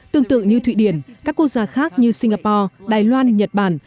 tương tự như thụy điển các quốc gia khác như singapore đài loan nhật bản